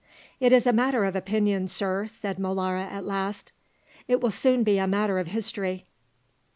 "It is a matter of opinion, Sir," said Molara at last. "It will soon be a matter of history."